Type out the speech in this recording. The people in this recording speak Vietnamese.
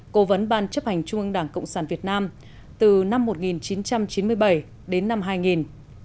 cố vấn ban chấp hành trung ương đảng cộng sản việt nam từ năm một nghìn chín trăm chín mươi bảy đến năm hai nghìn